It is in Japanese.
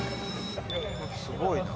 すごいな。